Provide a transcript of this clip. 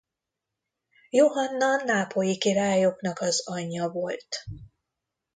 Johanna nápolyi királyoknak az anyja volt.